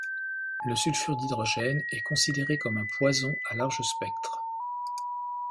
Le sulfure d'hydrogène est considéré comme un poison à large spectre.